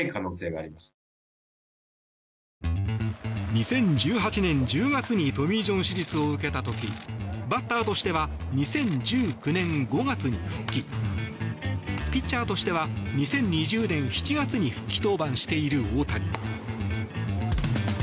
２０１８年１０月にトミー・ジョン手術を受けた時バッターとしては２０１９年５月に復帰ピッチャーとしては２０２０年７月に復帰登板している大谷。